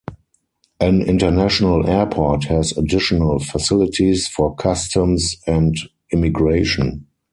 An international airport has additional facilities for customs and immigration.